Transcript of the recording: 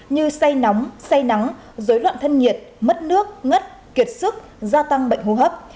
như say nóng say nắng dối loạn thân nhiệt mất nước ngất kiệt sức gia tăng bệnh hô hấp